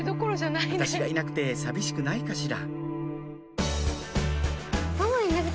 「私がいなくて寂しくないかしら？」